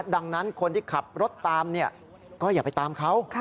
ดังนั้นคนที่ขับรถตามก็อย่าไปตามเขา